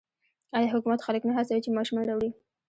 آیا حکومت خلک نه هڅوي چې ماشومان راوړي؟